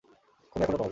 খুনি এখনও পলাতক।